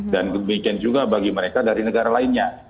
dan demikian juga bagi mereka dari negara lainnya